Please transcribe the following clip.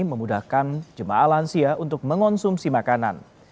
memudahkan jemaah lansia untuk mengonsumsi makanan